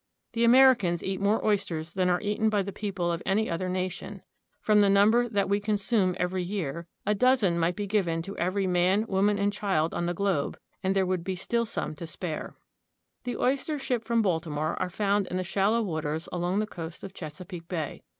The Americans eat more oysters than are eaten by the people of any other nation. From the number that we consume every year, a dozen might be given to every man, woman, and child on the globe, and there would be still some to spare. The oysters shipped from Baltimore are found in the shallow waters along the coast of Chesapeake Bay.